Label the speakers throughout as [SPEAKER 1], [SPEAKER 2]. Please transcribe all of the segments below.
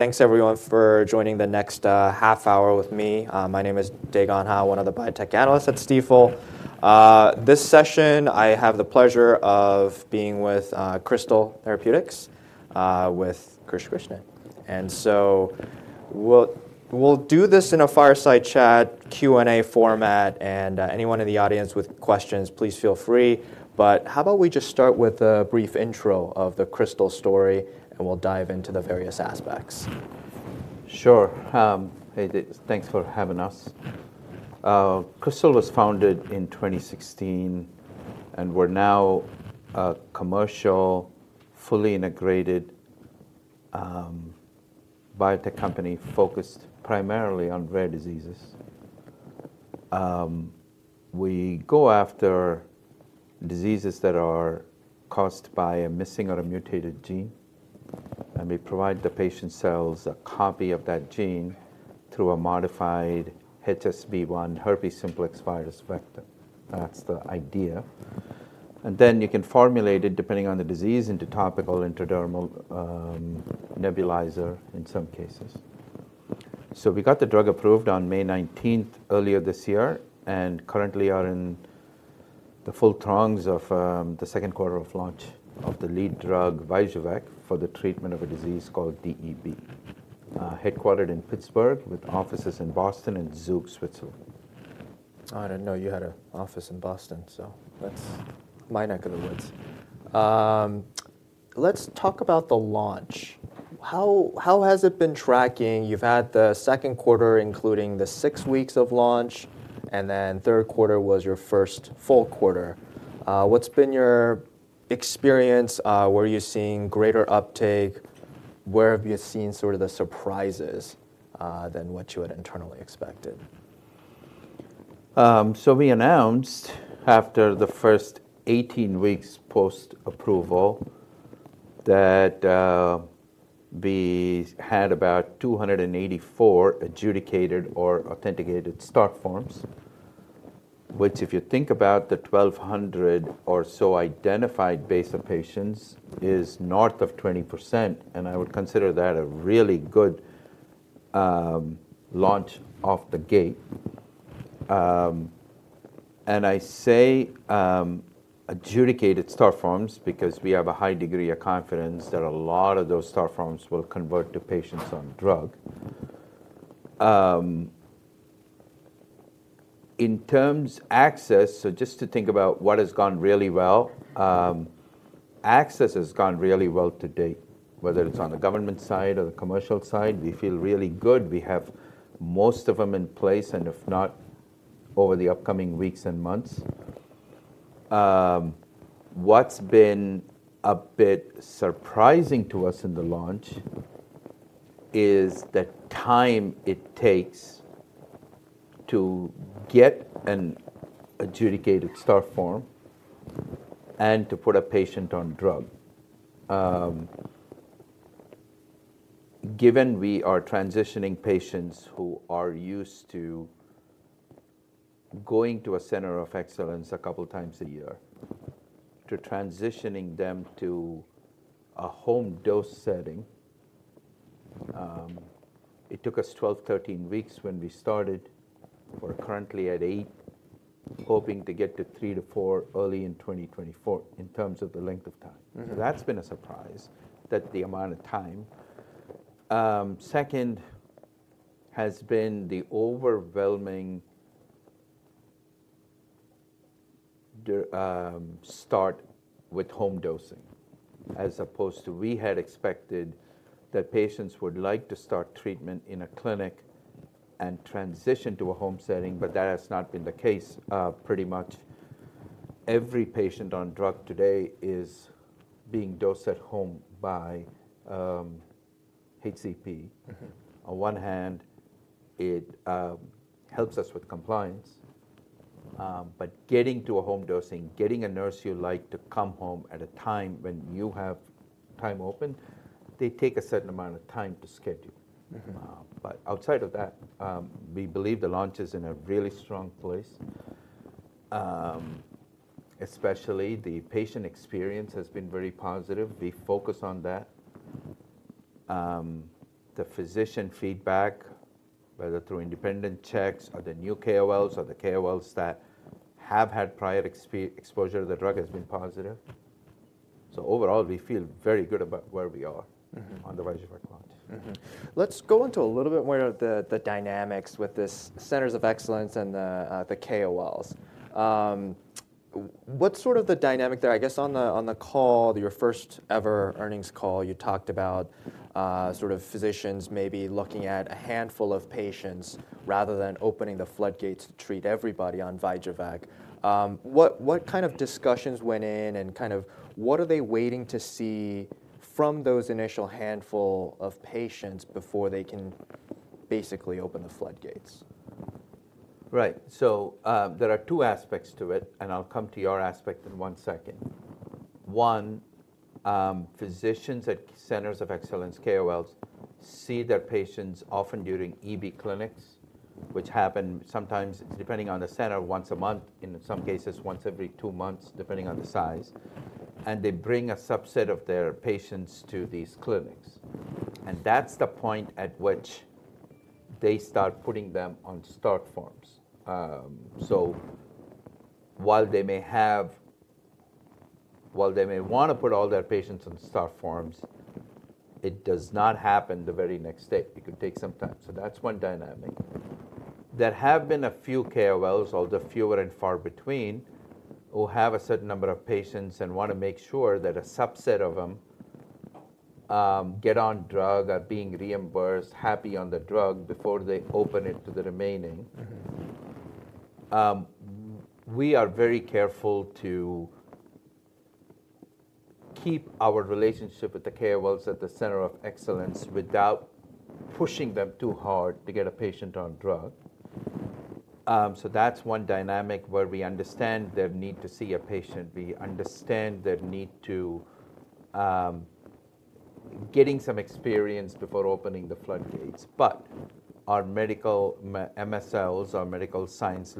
[SPEAKER 1] Thanks everyone for joining the next half hour with me. My name is Dae Gon Ha, one of the biotech analysts at Stifel. This session, I have the pleasure of being with Krystal Biotech with Krish Krishnan. So we'll, we'll do this in a fireside chat, Q&A format, and anyone in the audience with questions, please feel free. How about we just start with a brief intro of the Krystal story, and we'll dive into the various aspects?
[SPEAKER 2] Sure. Hey, Dae, thanks for having us. Krystal was founded in 2016, and we're now a commercial, fully integrated, biotech company focused primarily on rare diseases. We go after diseases that are caused by a missing or a mutated gene, and we provide the patient cells a copy of that gene through a modified HSV-1 herpes simplex virus vector. That's the idea. And then you can formulate it, depending on the disease, into topical, intradermal, nebulizer in some cases. So we got the drug approved on May 19, earlier this year, and currently are in the full throes of the second quarter of launch of the lead drug, VYJUVEK, for the treatment of a disease called DEB. Headquartered in Pittsburgh, with offices in Boston and Zug, Switzerland.
[SPEAKER 1] I didn't know you had an office in Boston, so that's my neck of the woods. Let's talk about the launch. How has it been tracking? You've had the second quarter, including the six weeks of launch, and then third quarter was your first full quarter. What's been your experience? Were you seeing greater uptake? Where have you seen sort of the surprises than what you had internally expected?
[SPEAKER 2] So we announced after the first 18 weeks post-approval that we had about 284 adjudicated or authenticated Start forms, which, if you think about the 1,200 or so identified base of patients, is north of 20%, and I would consider that a really good launch off the gate. And I say adjudicated Start forms because we have a high degree of confidence that a lot of those Start forms will convert to patients on drug. In terms of access, so just to think about what has gone really well, access has gone really well to date, whether it's on the government side or the commercial side. We feel really good. We have most of them in place, and if not, over the upcoming weeks and months. What's been a bit surprising to us in the launch is the time it takes to get an adjudicated Start Form and to put a patient on drug. Given we are transitioning patients who are used to going to a Center of Excellence a couple of times a year, to transitioning them to a home dose setting, it took us 12-13 weeks when we started. We're currently at eight, hoping to get to three to four early in 2024 in terms of the length of time.
[SPEAKER 1] Mm-hmm.
[SPEAKER 2] So that's been a surprise, that the amount of time. Second has been the overwhelming start with home dosing, as opposed to we had expected that patients would like to start treatment in a clinic and transition to a home setting, but that has not been the case. Pretty much every patient on drug today is being dosed at home by HCP.
[SPEAKER 1] Mm-hmm.
[SPEAKER 2] On one hand, it helps us with compliance, but getting to a home dosing, getting a nurse you like to come home at a time when you have time open, they take a certain amount of time to schedule.
[SPEAKER 1] Mm-hmm.
[SPEAKER 2] But outside of that, we believe the launch is in a really strong place. Especially the patient experience has been very positive. We focus on that. The physician feedback, whether through independent checks or the new KOLs or the KOLs that have had prior exposure to the drug, has been positive. So overall, we feel very good about where we are.
[SPEAKER 1] Mm-hmm...
[SPEAKER 2] on the VYJUVEK launch.
[SPEAKER 1] Mm-hmm. Let's go into a little bit more of the dynamics with these centers of excellence and the KOLs. What's sort of the dynamic there? I guess on the call, your first ever earnings call, you talked about sort of physicians maybe looking at a handful of patients rather than opening the floodgates to treat everybody on VYJUVEK. What kind of discussions went in and kind of what are they waiting to see from those initial handful of patients before they can basically open the floodgates?
[SPEAKER 2] Right. So, there are two aspects to it, and I'll come to your aspect in one second. One, physicians at Centers of Excellence, KOLs, see their patients often during EB clinics, which happen sometimes, depending on the center, once a month, in some cases, once every two months, depending on the size. And they bring a subset of their patients to these clinics. And that's the point at which they start putting them on start forms. So while they may want to put all their patients on start forms, it does not happen the very next day. It could take some time. So that's one dynamic. There have been a few KOLs, although fewer and far between, who have a certain number of patients and want to make sure that a subset of them get on drug, are being reimbursed, happy on the drug before they open it to the remaining. We are very careful to keep our relationship with the KOLs at the center of excellence without pushing them too hard to get a patient on drug. So that's one dynamic where we understand their need to see a patient, we understand their need to get some experience before opening the floodgates. But our medical MSLs, our medical science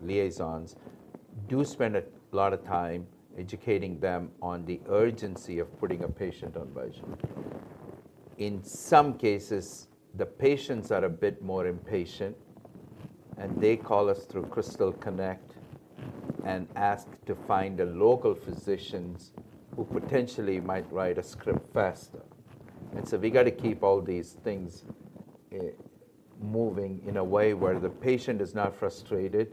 [SPEAKER 2] liaisons, do spend a lot of time educating them on the urgency of putting a patient on VYJUVEK. In some cases, the patients are a bit more impatient, and they call us through Krystal Connect and ask to find the local physicians who potentially might write a script faster. And so we got to keep all these things, moving in a way where the patient is not frustrated,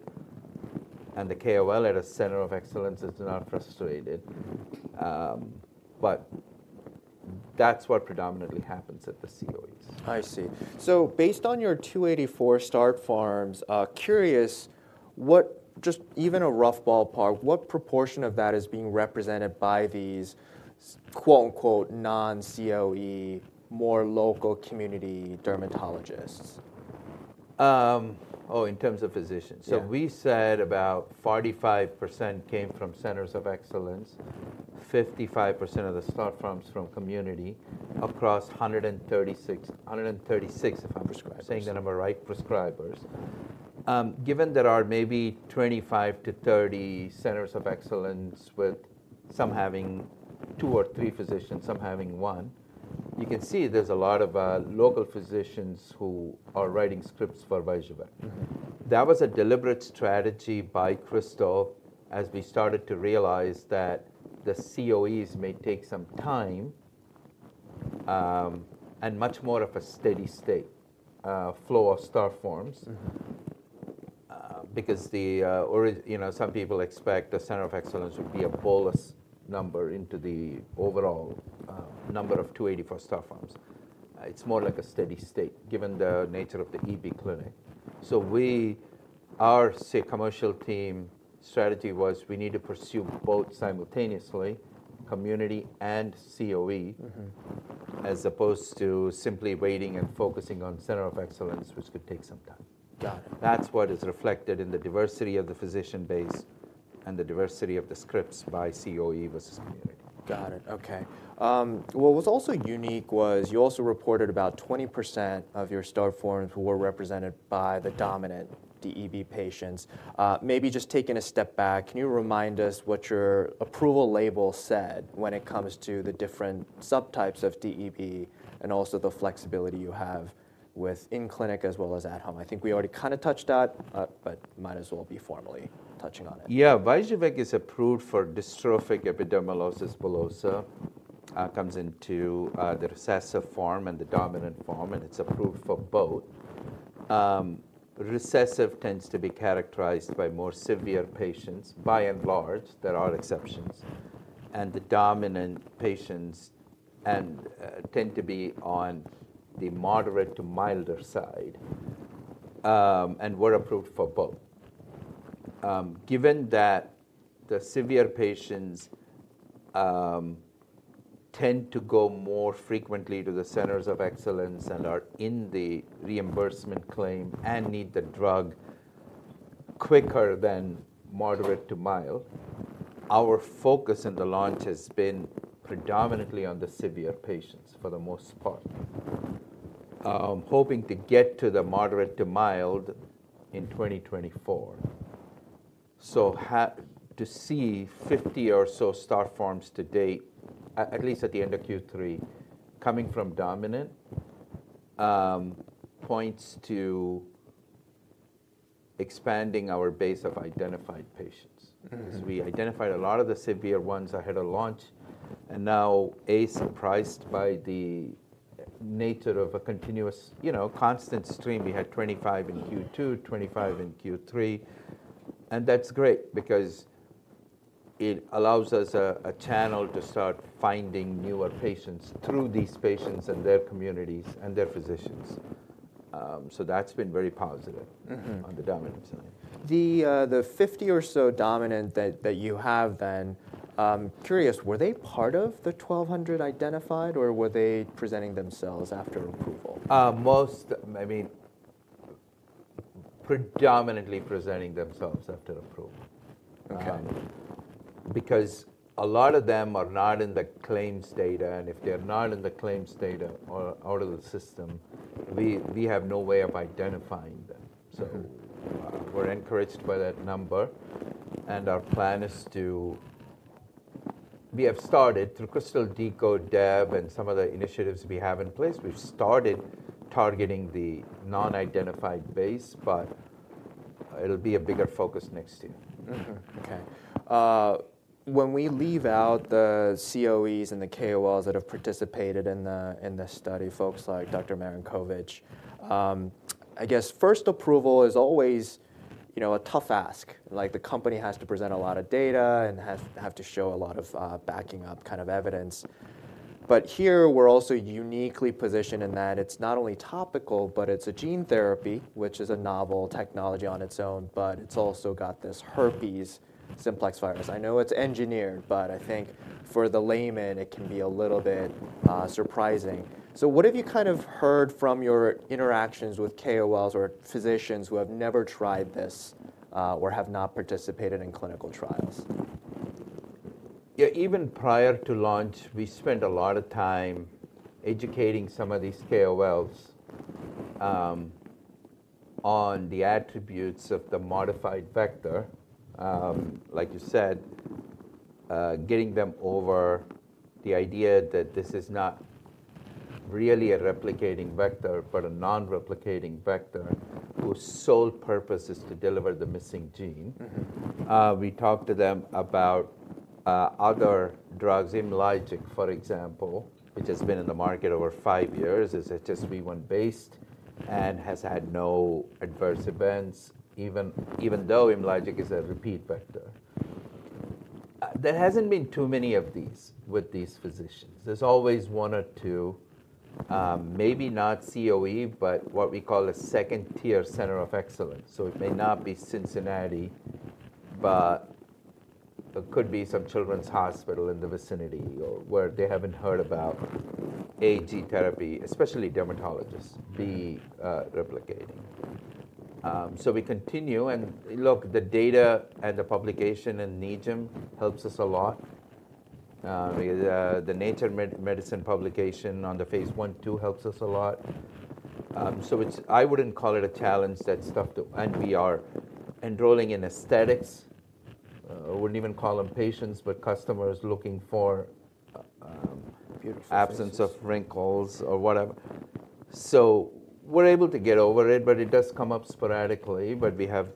[SPEAKER 2] and the KOL at a center of excellence is not frustrated. But that's what predominantly happens at the COEs.
[SPEAKER 1] I see. So based on your 284 Start Forms, curious, what—just even a rough ballpark, what proportion of that is being represented by these quote, unquote, "non-COE," more local community dermatologists?
[SPEAKER 2] Oh, in terms of physicians?
[SPEAKER 1] Yeah.
[SPEAKER 2] So we said about 45% came from centers of excellence, 55% of the start forms from community across 136. 136, if I'm-
[SPEAKER 1] Prescribers...
[SPEAKER 2] saying the number right, prescribers. Given there are maybe 25-30 centers of excellence, with some having two or three physicians, some having one, you can see there's a lot of, local physicians who are writing scripts for VYJUVEK.
[SPEAKER 1] Mm-hmm.
[SPEAKER 2] That was a deliberate strategy by Krystal as we started to realize that the COEs may take some time, and much more of a steady state, flow of Start Forms.
[SPEAKER 1] Mm-hmm.
[SPEAKER 2] Because the, you know, some people expect the Center of Excellence would be a bolus number into the overall number of 284 Start Forms. It's more like a steady state, given the nature of the EB Clinic. So our commercial team strategy was we need to pursue both simultaneously, community and COE-
[SPEAKER 1] Mm-hmm...
[SPEAKER 2] as opposed to simply waiting and focusing on Center of Excellence, which could take some time.
[SPEAKER 1] Got it.
[SPEAKER 2] That's what is reflected in the diversity of the physician base and the diversity of the scripts by COE versus community.
[SPEAKER 1] Got it. Okay. What was also unique was you also reported about 20% of your start forms were represented by the dominant DEB patients. Maybe just taking a step back, can you remind us what your approval label said when it comes to the different subtypes of DEB and also the flexibility you have with in-clinic as well as at home? I think we already kind of touched that, but might as well be formally touching on it.
[SPEAKER 2] Yeah. VYJUVEK is approved for dystrophic epidermolysis bullosa, comes into the recessive form and the dominant form, and it's approved for both. Recessive tends to be characterized by more severe patients, by and large, there are exceptions, and the dominant patients and tend to be on the moderate to milder side, and we're approved for both. Given that the severe patients tend to go more frequently to the centers of excellence and are in the reimbursement claim and need the drug quicker than moderate to mild, our focus in the launch has been predominantly on the severe patients for the most part. Hoping to get to the moderate to mild in 2024. So happy to see 50 or so Start Forms to date, at least at the end of Q3, coming from dominant points to expanding our base of identified patients.
[SPEAKER 1] Mm-hmm.
[SPEAKER 2] As we identified a lot of the severe ones ahead of launch, and now, surprised by the nature of a continuous, you know, constant stream. We had 25 in Q2, 25 in Q3, and that's great because it allows us a channel to start finding newer patients through these patients and their communities and their physicians. So that's been very positive-
[SPEAKER 1] Mm-hmm...
[SPEAKER 2] on the dominant side.
[SPEAKER 1] The 50 or so dominant that you have then, curious, were they part of the 1,200 identified, or were they presenting themselves after approval?
[SPEAKER 2] Most, I mean, predominantly presenting themselves after approval.
[SPEAKER 1] Okay.
[SPEAKER 2] ...because a lot of them are not in the claims data, and if they're not in the claims data or out of the system, we have no way of identifying them. So we're encouraged by that number, and our plan is to—we have started, through Krystal Decode and some other initiatives we have in place, we've started targeting the non-identified base, but it'll be a bigger focus next year.
[SPEAKER 1] Mm-hmm. Okay. When we leave out the COEs and the KOLs that have participated in the study, folks like Dr. Marinkovich, I guess first approval is always, you know, a tough ask. Like, the company has to present a lot of data and have to show a lot of backing up kind of evidence. But here, we're also uniquely positioned in that it's not only topical, but it's a gene therapy, which is a novel technology on its own, but it's also got this herpes simplex virus. I know it's engineered, but I think for the layman, it can be a little bit surprising. So what have you kind of heard from your interactions with KOLs or physicians who have never tried this, or have not participated in clinical trials?
[SPEAKER 2] Yeah, even prior to launch, we spent a lot of time educating some of these KOLs on the attributes of the modified vector. Like you said, getting them over the idea that this is not really a replicating vector, but a non-replicating vector, whose sole purpose is to deliver the missing gene.
[SPEAKER 1] Mm-hmm.
[SPEAKER 2] We talked to them about other drugs, IMLYGIC, for example, which has been in the market over five years. It's HSV-1 based and has had no adverse events, even though IMLYGIC is a repeat vector. There hasn't been too many of these with these physicians. There's always one or two, maybe not COE, but what we call a second-tier center of excellence. So it may not be Cincinnati, but there could be some children's hospital in the vicinity or where they haven't heard about gene therapy, especially dermatologists, be replicating. So we continue, and look, the data and the publication in NEJM helps us a lot. The Nature Medicine publication on the phase I or II helps us a lot. So it's I wouldn't call it a challenge that's tough to... And we are enrolling in aesthetics. I wouldn't even call them patients, but customers looking for,
[SPEAKER 1] Beautiful faces...
[SPEAKER 2] absence of wrinkles or whatever. So we're able to get over it, but it does come up sporadically, but we have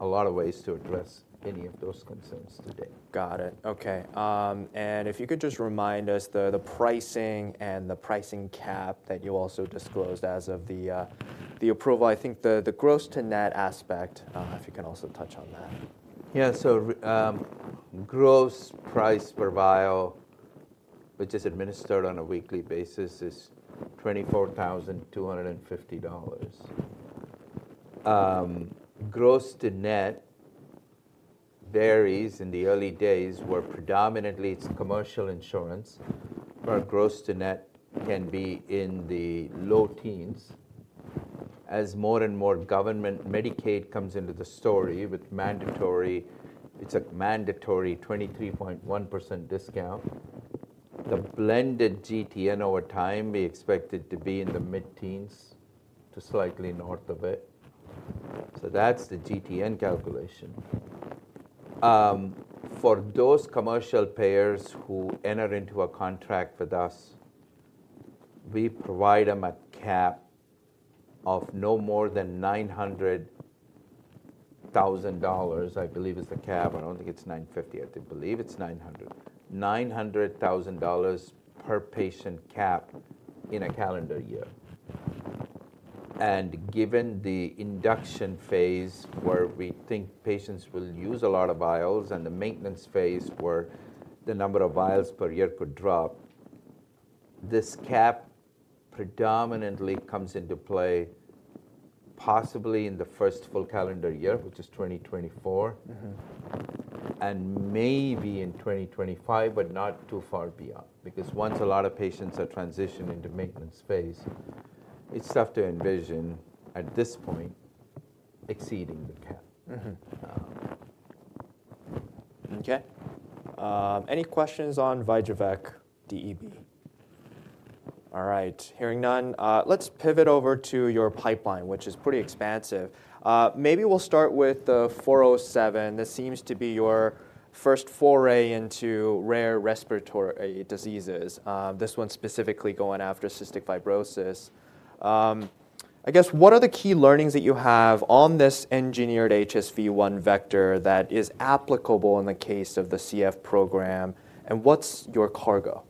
[SPEAKER 2] a lot of ways to address any of those concerns today.
[SPEAKER 1] Got it. Okay, and if you could just remind us the pricing and the pricing cap that you also disclosed as of the approval. I think the gross-to-net aspect, if you can also touch on that.
[SPEAKER 2] Yeah, so gross price per vial, which is administered on a weekly basis, is $24,250. Gross to net varies in the early days, where predominantly it's commercial insurance, where gross to net can be in the low teens. As more and more government Medicaid comes into the story with mandatory... It's a mandatory 23.1% discount. The blended GTN over time, we expect it to be in the mid-teens to slightly north of it. So that's the GTN calculation. For those commercial payers who enter into a contract with us, we provide them a cap of no more than $900,000, I believe is the cap. I don't think it's $950. I do believe it's 900. $900,000 per patient cap in a calendar year. Given the induction phase, where we think patients will use a lot of vials, and the maintenance phase, where the number of vials per year could drop, this cap predominantly comes into play possibly in the first full calendar year, which is 2024.
[SPEAKER 1] Mm-hmm.
[SPEAKER 2] Maybe in 2025, but not too far beyond, because once a lot of patients are transitioning to maintenance phase, it's tough to envision, at this point, exceeding the cap.
[SPEAKER 1] Mm-hmm.
[SPEAKER 2] Um.
[SPEAKER 1] Okay, any questions on Vyjuvek DEB? All right, hearing none, let's pivot over to your pipeline, which is pretty expansive. Maybe we'll start with the 407. This seems to be your first foray into rare respiratory diseases, this one specifically going after cystic fibrosis. I guess, what are the key learnings that you have on this engineered HSV-1 vector that is applicable in the case of the CF program, and what's your cargo?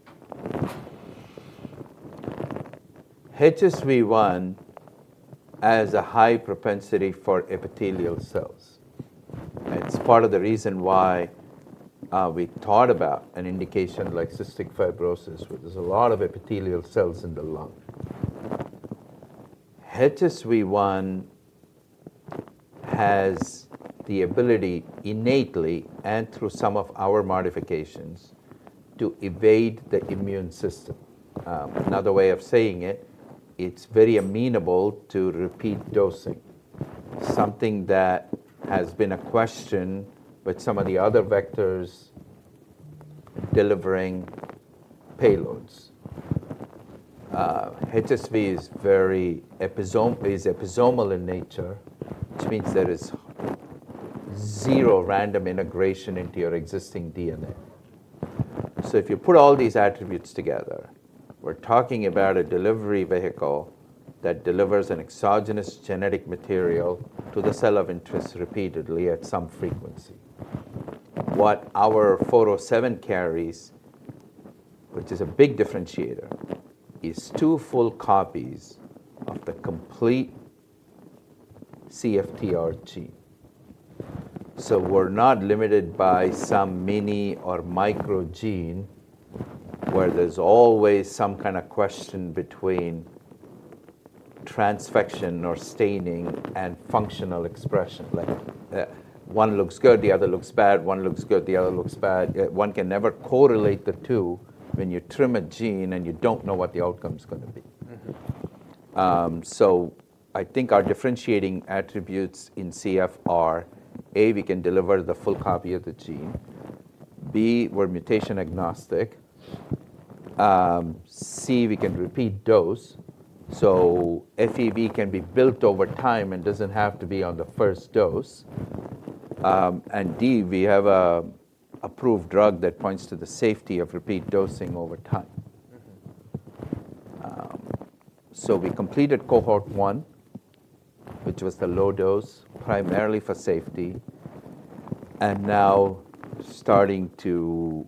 [SPEAKER 2] HSV-1 has a high propensity for epithelial cells. It's part of the reason why we thought about an indication like cystic fibrosis, where there's a lot of epithelial cells in the lung. HSV-1 has the ability, innately and through some of our modifications to evade the immune system. Another way of saying it, it's very amenable to repeat dosing. Something that has been a question with some of the other vectors delivering payloads. HSV is very episomal in nature, which means there is zero random integration into your existing DNA. So if you put all these attributes together, we're talking about a delivery vehicle that delivers an exogenous genetic material to the cell of interest repeatedly at some frequency. What our 407 carries, which is a big differentiator, is 2 full copies of the complete CFTR gene. So we're not limited by some mini or micro gene, where there's always some kind of question between transfection or staining and functional expression. Like, one looks good, the other looks bad, one looks good, the other looks bad. One can never correlate the two when you trim a gene and you don't know what the outcome's gonna be.
[SPEAKER 1] Mm-hmm.
[SPEAKER 2] So I think our differentiating attributes in CFR: A, we can deliver the full copy of the gene. B, we're mutation agnostic. C, we can repeat dose, so FEV can be built over time and doesn't have to be on the first dose. And D, we have an approved drug that points to the safety of repeat dosing over time.
[SPEAKER 1] Mm-hmm.
[SPEAKER 2] So we completed cohort one, which was the low dose, primarily for safety, and now starting to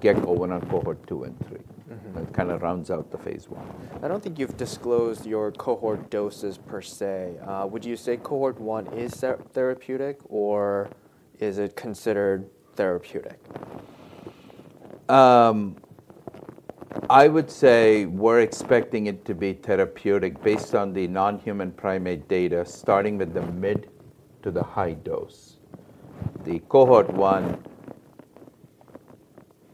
[SPEAKER 2] get going on cohort two and three.
[SPEAKER 1] Mm-hmm.
[SPEAKER 2] That kind of rounds out the phase I.
[SPEAKER 1] I don't think you've disclosed your cohort doses per se. Would you say cohort one is therapeutic, or is it considered therapeutic?
[SPEAKER 2] I would say we're expecting it to be therapeutic based on the non-human primate data, starting with the mid to the high dose. The cohort one,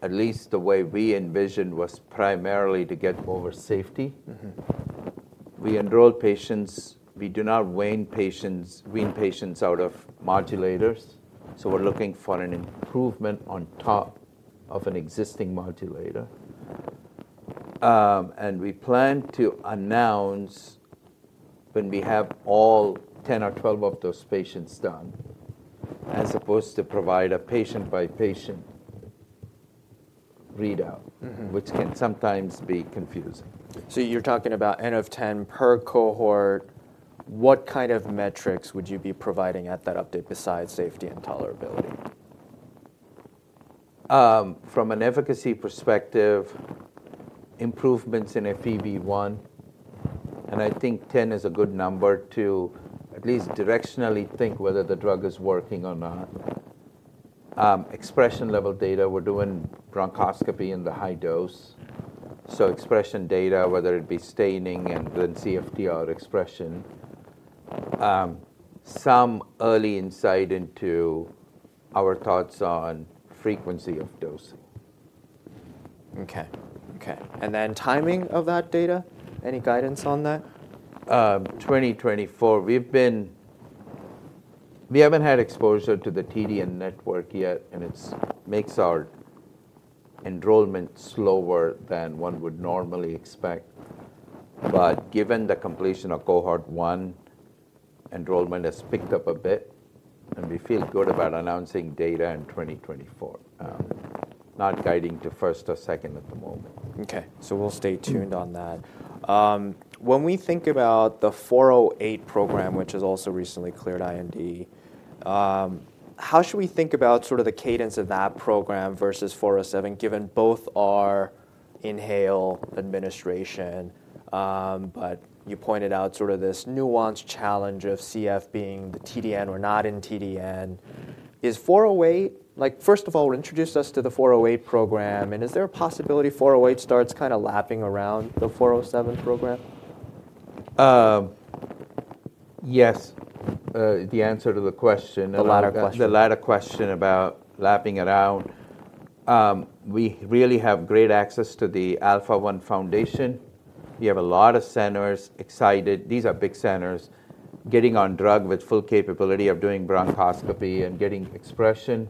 [SPEAKER 2] at least the way we envisioned, was primarily to get over safety.
[SPEAKER 1] Mm-hmm.
[SPEAKER 2] We enroll patients. We do not wane patients—wean patients out of modulators, so we're looking for an improvement on top of an existing modulator. And we plan to announce when we have all 10 or 12 of those patients done, as opposed to provide a patient-by-patient readout-
[SPEAKER 1] Mm-hmm...
[SPEAKER 2] which can sometimes be confusing.
[SPEAKER 1] You're talking about N of 10 per cohort. What kind of metrics would you be providing at that update besides safety and tolerability?
[SPEAKER 2] From an efficacy perspective, improvements in FEV1, and I think 10 is a good number to at least directionally think whether the drug is working or not. Expression level data, we're doing bronchoscopy in the high dose. So expression data, whether it be staining and then CFTR expression. Some early insight into our thoughts on frequency of dosing.
[SPEAKER 1] Okay. Okay, and then timing of that data, any guidance on that?
[SPEAKER 2] 2024. We haven't had exposure to the TDN network yet, and it makes our enrollment slower than one would normally expect. But given the completion of cohort one, enrollment has picked up a bit, and we feel good about announcing data in 2024. Not guiding to first or second at the moment.
[SPEAKER 1] Okay, so we'll stay tuned on that. When we think about the 408 program, which is also recently cleared IND, how should we think about sort of the cadence of that program versus 407, given both are inhaled administration, but you pointed out sort of this nuanced challenge of CF being the TDN or not in TDN. Is 408... Like, first of all, introduce us to the 408 program, and is there a possibility 408 starts kinda lapping around the 407 program?
[SPEAKER 2] Yes. The answer to the question-
[SPEAKER 1] The latter question.
[SPEAKER 2] The latter question about lapping around. We really have great access to the Alpha-1 Foundation. We have a lot of centers excited, these are big centers, getting on drug with full capability of doing bronchoscopy and getting expression.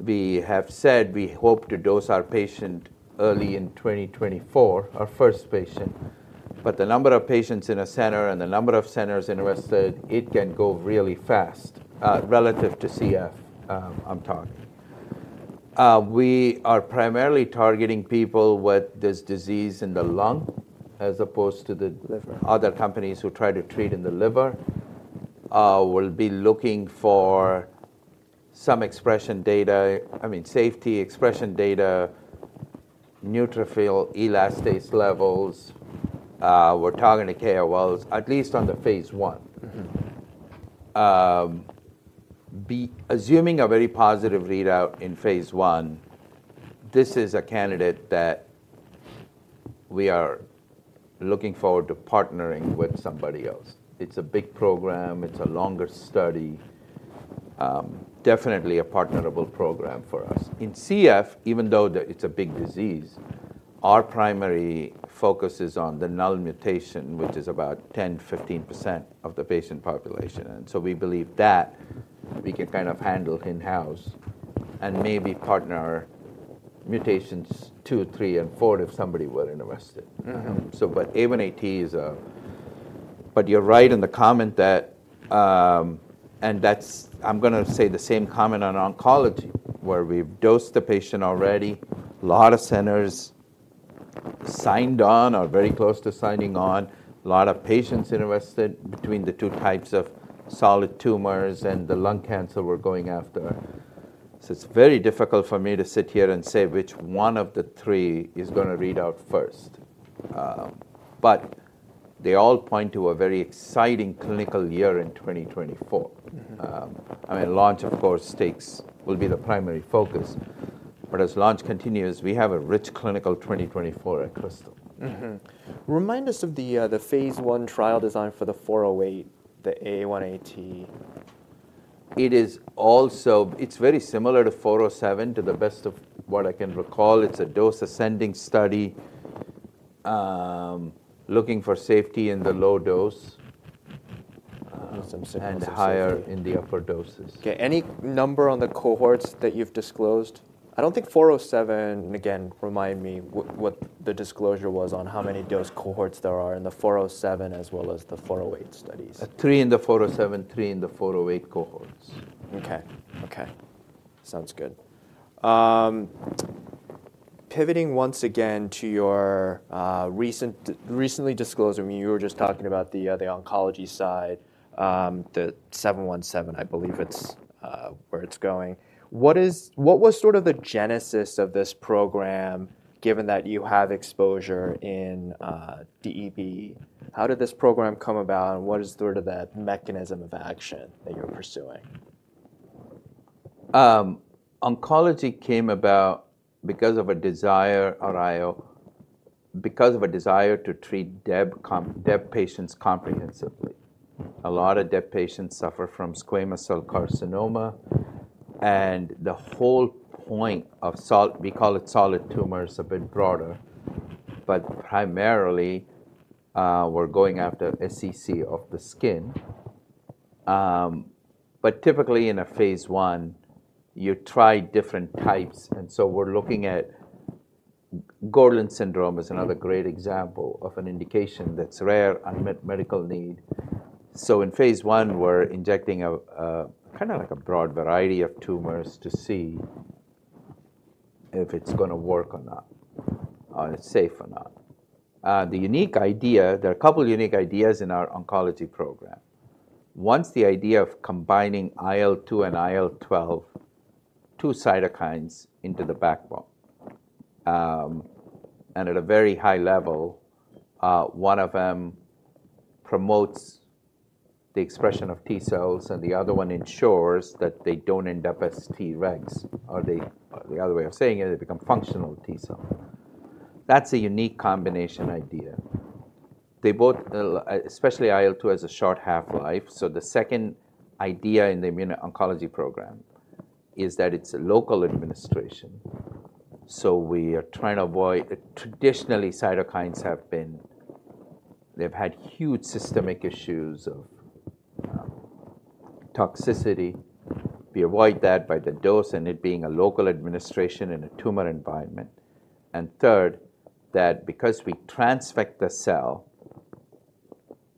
[SPEAKER 2] We have said we hope to dose our patient early in 2024, our first patient, but the number of patients in a center and the number of centers interested, it can go really fast, relative to CF, I'm talking. We are primarily targeting people with this disease in the lung, as opposed to the-
[SPEAKER 1] Different...
[SPEAKER 2] other companies who try to treat in the liver. We'll be looking for some expression data, I mean, safety expression data, neutrophil elastase levels. We're targeting the KOLs, at least on the phase I.
[SPEAKER 1] Mm-hmm.
[SPEAKER 2] Assuming a very positive readout in phase I, this is a candidate. We are looking forward to partnering with somebody else. It's a big program, it's a longer study, definitely a partnerable program for us. In CF, even though it's a big disease, our primary focus is on the null mutation, which is about 10%-15% of the patient population, and so we believe that we can kind of handle in-house and maybe partner mutations 2, 3, and 4 if somebody were interested.
[SPEAKER 1] Mm-hmm.
[SPEAKER 2] But A1AT is. But you're right in the comment that, and that's. I'm gonna say the same comment on oncology, where we've dosed the patient already. A lot of centers signed on or very close to signing on, a lot of patients interested between the two types of solid tumors and the lung cancer we're going after. So it's very difficult for me to sit here and say which one of the three is gonna read out first. But they all point to a very exciting clinical year in 2024.
[SPEAKER 1] Mm-hmm.
[SPEAKER 2] I mean, launch, of course, will be the primary focus. But as launch continues, we have a rich clinical 2024 at Krystal.
[SPEAKER 1] Mm-hmm. Remind us of the, the phase I trial design for the 408, the A1AT.
[SPEAKER 2] It is also it's very similar to 407, to the best of what I can recall. It's a dose-ascending study, looking for safety in the low dose,
[SPEAKER 1] Some symptoms of safety.
[SPEAKER 2] Higher in the upper doses.
[SPEAKER 1] Okay, any number on the cohorts that you've disclosed? I don't think 407, again, remind me what the disclosure was on how many dose cohorts there are in the 407 as well as the 408 studies.
[SPEAKER 2] 3 in the 407, 3 in the 408 cohorts.
[SPEAKER 1] Okay. Okay, sounds good. Pivoting once again to your, recent, recently disclosed, I mean, you were just talking about the, the oncology side, the 717, I believe it's, where it's going. What is—what was sort of the genesis of this program, given that you have exposure in, DEB? How did this program come about, and what is sort of the mechanism of action that you're pursuing?
[SPEAKER 2] Oncology came about because of a desire, or IO, because of a desire to treat DEB patients comprehensively. A lot of DEB patients suffer from squamous cell carcinoma, and the whole point, we call it solid tumors, a bit broader, but primarily, we're going after SCC of the skin. But typically in a phase one, you try different types, and so we're looking at Gorlin syndrome, another great example of an indication that's rare, unmet medical need. So in phase I, we're injecting a kind of like a broad variety of tumors to see if it's gonna work or not, or it's safe or not. The unique idea, there are a couple of unique ideas in our oncology program. One's the idea of combining IL-2 and IL-12, two cytokines into the backbone. At a very high level, one of them promotes the expression of T cells, and the other one ensures that they don't end up as Tregs, or the, or the other way of saying it, they become functional T cells. That's a unique combination idea. They both, especially IL-2 has a short half-life, so the second idea in the immuno-oncology program is that it's a local administration. So we are trying to avoid... Traditionally, cytokines have been, they've had huge systemic issues of, toxicity. We avoid that by the dose and it being a local administration in a tumor environment. And third, that because we transfect the cell,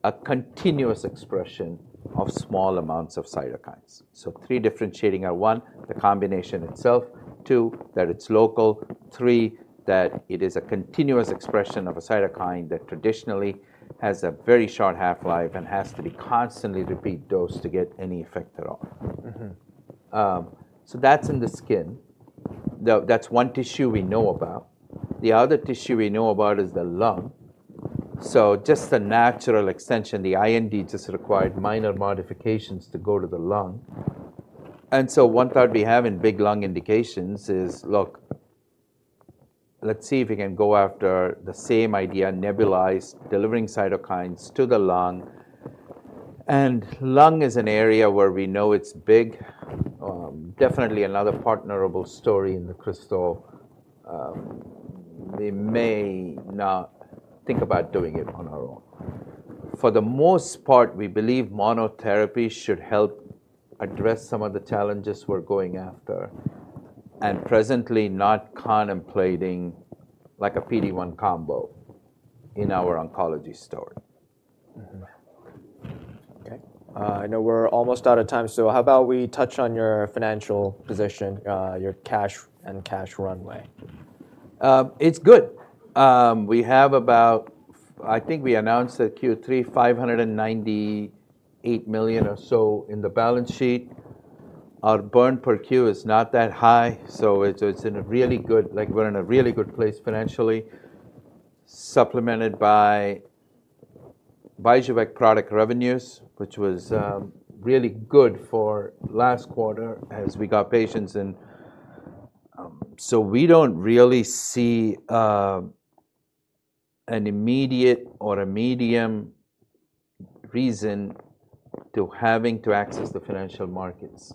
[SPEAKER 2] a continuous expression of small amounts of cytokines. Three differentiating are, one, the combination itself, two, that it's local, three, that it is a continuous expression of a cytokine that traditionally has a very short half-life and has to be constantly repeat dosed to get any effect at all.
[SPEAKER 1] Mm-hmm.
[SPEAKER 2] So that's in the skin. That's one tissue we know about. The other tissue we know about is the lung. So just a natural extension, the IND just required minor modifications to go to the lung. And so one thought we have in big lung indications is, look, let's see if we can go after the same idea, nebulize, delivering cytokines to the lung. And lung is an area where we know it's big, definitely another partnerable story in the Krystal. We may not think about doing it on our own. For the most part, we believe monotherapy should help address some of the challenges we're going after, and presently not contemplating like a PD-1 combo in our oncology story.
[SPEAKER 1] Mm-hmm. Okay, I know we're almost out of time, so how about we touch on your financial position, your cash and cash runway?
[SPEAKER 2] It's good. We have about, I think we announced at Q3, $598 million or so in the balance sheet. Our burn per Q is not that high, so it's in a really good place financially, like, we're in a really good place financially, supplemented by Vyjuvek product revenues, which was really good for last quarter as we got patients in. So we don't really see an immediate or a medium reason to having to access the financial markets.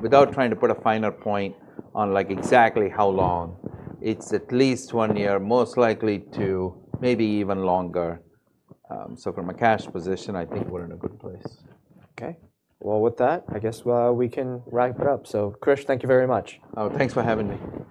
[SPEAKER 2] Without trying to put a finer point on, like, exactly how long, it's at least one year, most likely two, maybe even longer. So from a cash position, I think we're in a good place.
[SPEAKER 1] Okay. Well, with that, I guess, we can wrap it up. So, Krish, thank you very much.
[SPEAKER 2] Oh, thanks for having me.